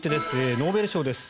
ノーベル賞です。